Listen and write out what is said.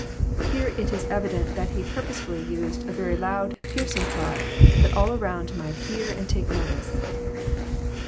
Here it is evi dent that He purposely used a very loud, piercing cry, that all around might hear and take notice.